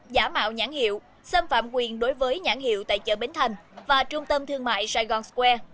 giả mạo nhãn hiệu xâm phạm quyền đối với nhãn hiệu tại chợ bến thành và trung tâm thương mại saigon square